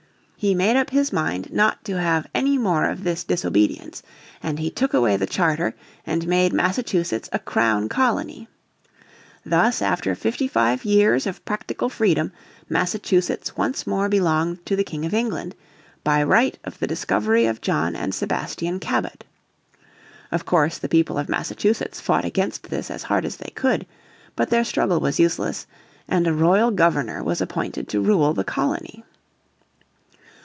He made up his mind not to have any more of this disobedience, and he took away the charter and made Massachusetts a Crown Colony. Thus after fifty five years of practical freedom Massachusetts once more belonged to the King of England, by right of the discovery of John and Sebastian Cabot. Of course, the people of Massachusetts fought against this as hard as they could, but their struggle was useless, and a royal Governor was appointed to rule the colony.